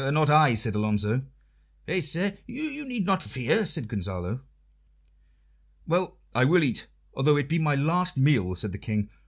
"Not I," said Alonso. "Faith, sir, you need not fear," said Gonzalo. "Well, I will eat, although it be my last meal," said the King.